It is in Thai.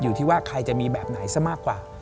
อยู่ที่ว่าใครจะมีแบบไหนซะมากกว่า